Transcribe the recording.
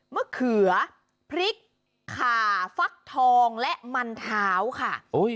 มะเขือพริกขาฟักทองและมันเท้าค่ะ